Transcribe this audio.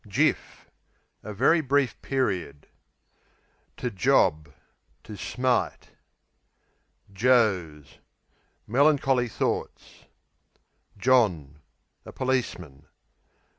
Jiff A very brief period. Job, to To smite. Joes Melancholy thoughts. John A policeman.